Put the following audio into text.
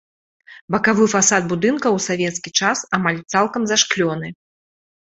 Бакавы фасад будынка ў савецкі час амаль цалкам зашклёны.